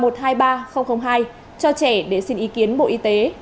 cho trẻ để xin ý kiến bộ y tế